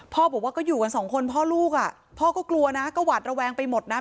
บอกว่าก็อยู่กันสองคนพ่อลูกอ่ะพ่อก็กลัวนะก็หวาดระแวงไปหมดนะ